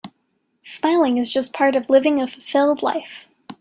Smiling is just part of living a fulfilled life.